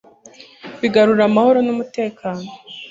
bigarura amahoro n'umutekano